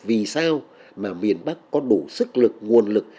vì sao mà miền bắc có đủ sức lực nguồn lực